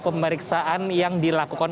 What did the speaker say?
pemeriksaan yang dilakukan